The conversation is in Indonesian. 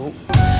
yang ini teh